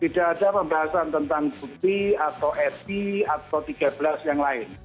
tidak ada pembahasan tentang bukti atau etik atau tiga belas yang lain